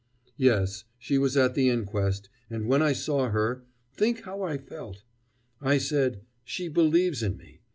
"Yes. She was at the inquest: and when I saw her think how I felt! I said: 'She believes in me.'